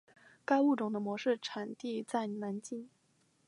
该物种的模式产地在南京。